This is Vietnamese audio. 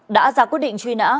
đã ra quyết định truy nã